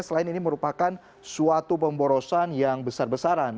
selain ini merupakan suatu pemborosan yang besar besaran